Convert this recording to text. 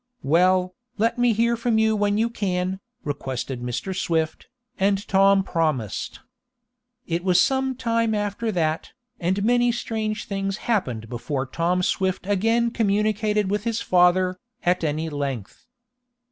"Well, let me hear from you when you can," requested Mr. Swift, and Tom promised. It was some time after that, and many strange things happened before Tom Swift again communicated with his father, at any length.